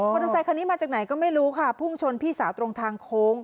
เตอร์ไซคันนี้มาจากไหนก็ไม่รู้ค่ะพุ่งชนพี่สาวตรงทางโค้ง